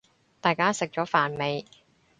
大家食咗飯未